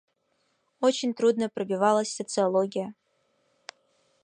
Очень трудно пробивалась социология.